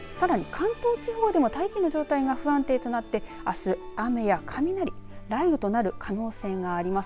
さらに関東地方でも大気の状態が不安定となってあす雨や雷雷雨となる可能性があります。